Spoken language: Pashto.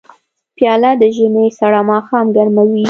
پیاله د ژمي سړه ماښام ګرموي.